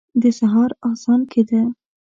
د سهار اذان کېده.